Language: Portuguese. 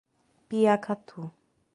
Piacatu